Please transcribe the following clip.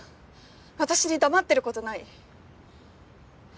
私に黙ってることない？